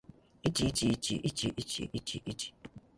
ｌｌｌｌｌｌｌ